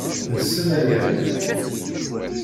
Nessen aya.